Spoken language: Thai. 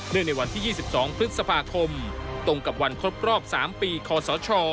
เนื่องในวันที่๒๒พฤษภาคมตรงกับวันครบปรอบ๓ปีคศ